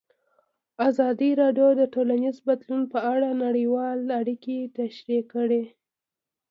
ازادي راډیو د ټولنیز بدلون په اړه نړیوالې اړیکې تشریح کړي.